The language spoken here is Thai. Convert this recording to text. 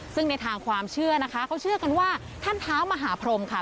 ซึ่งในทางความเชื่อนะคะเขาเชื่อกันว่าท่านเท้ามหาพรมค่ะ